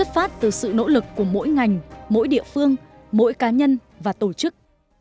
phát từ sự nỗ lực của mỗi ngành mỗi địa phương mỗi cá nhân và tổ chức